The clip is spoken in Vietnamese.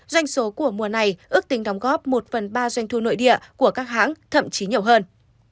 doanh số của mùa này ước tính đóng góp một phần ba doanh thu nội địa của các hãng thậm chí nhiều hơn